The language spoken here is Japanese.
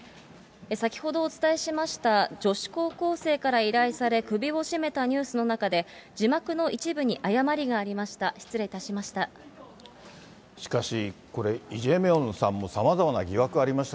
先ほどお伝えしました、女子高校生から依頼され首を絞めたニュースの中で、字幕の一部に誤りがありました。